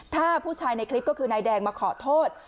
ถ้าผู้ชายในคลิปก็คือนายแดงมาขอโทษ